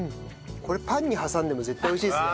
これパンに挟んでも絶対美味しいですね。